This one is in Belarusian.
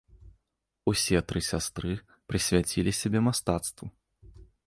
Усе тры сястры прысвяцілі сябе мастацтву.